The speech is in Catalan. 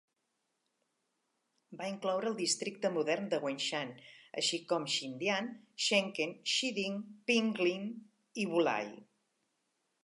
Va incloure el districte modern de Wenshan, així com Xindian, Shenkeng, Shiding, Pinglin i Wulai.